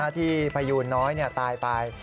พยูนน้อยตายไป